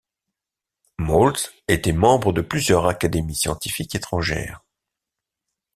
Moles était membre de plusieurs académies scientifiques étrangères.